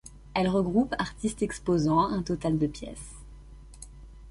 Elle regroupe artistes exposants un total de pièces.